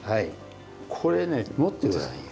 これね持ってごらんよ。